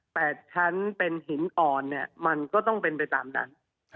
แปดชั้นเป็นหินอ่อนเนี่ยมันก็ต้องเป็นไปตามนั้น